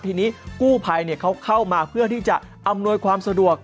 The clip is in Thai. ทีนี้กู้ภัยเขาเข้ามาเพื่อที่จะอำนวยความสะดวก